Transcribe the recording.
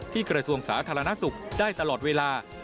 ที่กษทศาสนสุขได้ตลอดเวลา